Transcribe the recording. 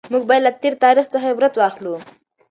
موږ باید له تېر تاریخ څخه عبرت واخلو.